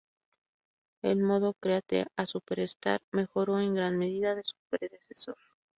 El modo "Create-A-Superstar" mejoró en gran medida de su predecesor.